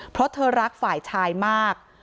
เพราะเธอรักฝ่ายชายมาก